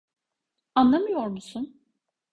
Anlamıyor musun?